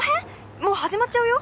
もう始まっちゃうよ。